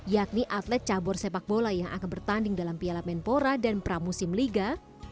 yakni atlet cabur sepak bola yang akan bertanding dalam piala menpora dan pramusim liga